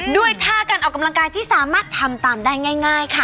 ด้วยท่าการออกกำลังกายที่สามารถทำตามได้ง่ายค่ะ